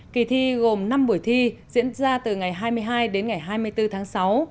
kỳ thi gồm năm buổi thi diễn ra từ ngày hai mươi hai đến ngày hai mươi bốn tháng sáu